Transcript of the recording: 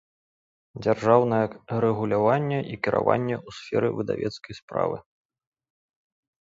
ДЗЯРЖАЎНАЕ РЭГУЛЯВАННЕ I КIРАВАННЕ Ў СФЕРЫ ВЫДАВЕЦКАЙ СПРАВЫ